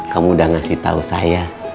kamu udah ngasih tau saya